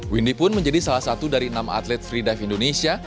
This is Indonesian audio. windy pun menjadi salah satu dari enam atlet free dive indonesia